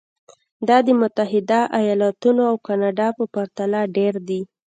دا د متحده ایالتونو او کاناډا په پرتله ډېر دي.